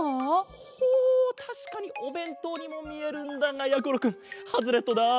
ほうたしかにおべんとうにもみえるんだがやころくんハズレットだ。